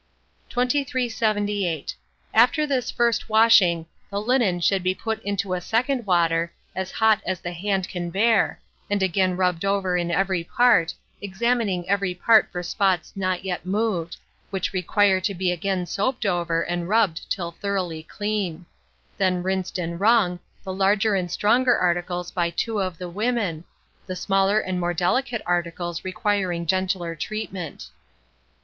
2378. After this first washing, the linen should be put into a second water as hot as the hand can bear, and again rubbed over in every part, examining every part for spots not yet moved, which require to be again soaped over and rubbed till thoroughly clean; then rinsed and wrung, the larger and stronger articles by two of the women; the smaller and more delicate articles requiring gentler treatment.